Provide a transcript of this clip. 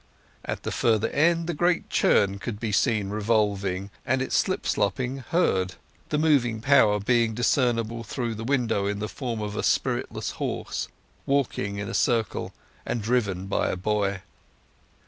At the further end the great churn could be seen revolving, and its slip slopping heard—the moving power being discernible through the window in the form of a spiritless horse walking in a circle and driven by a boy.